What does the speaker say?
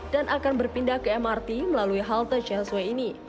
dan akan berpindah ke mrt melalui halte csw ini